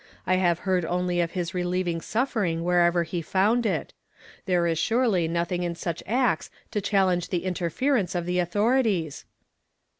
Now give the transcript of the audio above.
I luiv(i heard only of his relieving suffering wherever he found it. There is surely nothing in such acts to challenge the interference of the authorities."